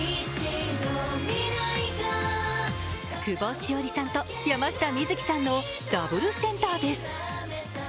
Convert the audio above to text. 久保史緒里さんと、山下美月さんのダブルセンターです。